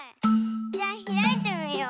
じゃひらいてみよう。